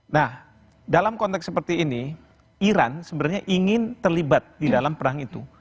nah dalam konteks seperti ini iran sebenarnya ingin terlibat di dalam perang itu